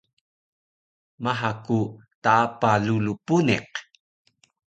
Maha ku taapa rulu puniq